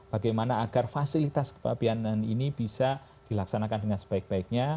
bagaimana agar fasilitas kepabianan ini bisa dilaksanakan dengan sebaik baiknya